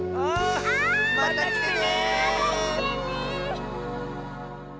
またきてね！